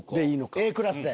Ａクラスで。